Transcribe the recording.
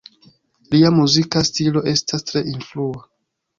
Lia muzika stilo estas tre influa.